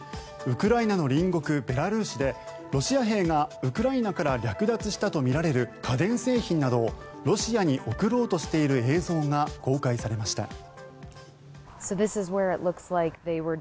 ウクライナの隣国ベラルーシでロシア兵がウクライナから略奪したとみられる家電製品などをロシアに送ろうとしている映像が公開されました。